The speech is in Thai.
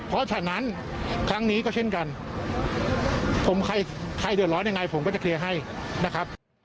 เพราะฉะนั้นครั้งนี้ก็เช่นกันผมใครเดือดร้อนยังไงผมก็จะเคลียร์ให้นะครับ